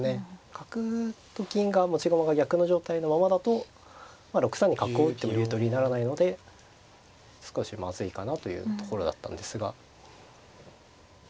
角と金が持ち駒が逆の状態のままだと６三に角を打っても竜取りにならないので少しまずいかなというところだったんですが。